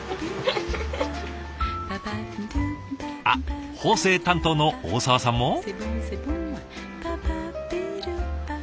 あっ縫製担当の大澤さんも。